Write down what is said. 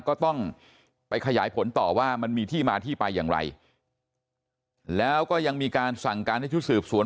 ก็ต้องไปขยายผลต่อว่ามันมีที่มาที่ไปอย่างไรแล้วก็ยังมีการสั่งการให้ชุดสืบสวน